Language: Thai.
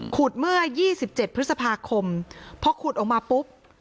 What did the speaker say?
ขุดเมื่อ๒๗พฤษภาคมเพราะขุดออกมาปุ๊บ